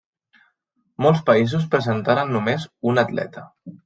Molts països presentaren només un atleta.